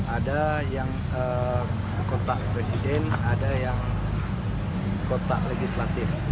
ada yang kontak presiden ada yang kotak legislatif